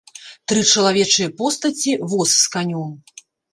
Тры чалавечыя постаці, воз з канём.